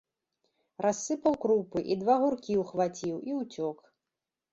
Рассыпаў крупы і два гуркі ўхваціў і ўцёк.